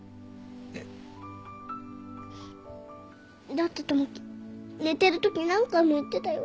だって友樹寝てるとき何回も言ってたよ。